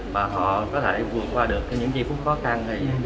và họ có thể vượt qua được những chi phút khó khăn